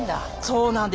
そうなんですね。